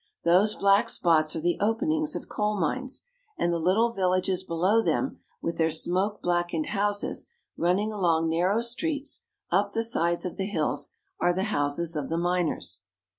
Those black spots are the openings of coal mines, and the little villages below them, with their smoke blackened houses running along narrow streets up the sides of the hills, are the houses of the miners.